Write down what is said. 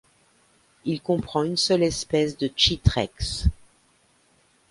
Il comprend une seule espèce de tchitrecs.